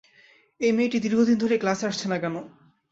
এই মেয়েটি দীর্ঘদিন ধরেই ক্লাসে আসছে না কেন?